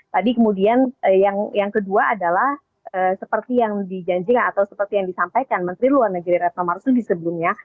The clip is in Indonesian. tadi kemudian yang kedua adalah seperti yang dijanjikan atau seperti yang disampaikan menteri luar negeri retno marsudi sebelumnya